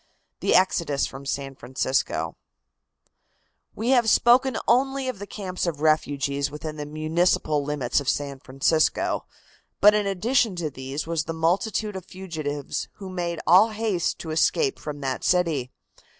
THE EXODUS FROM SAN FRANCISCO. We have spoken only of the camps of refugees within the municipal limits of San Francisco. But in addition to these was the multitude of fugitives who made all haste to escape from that city.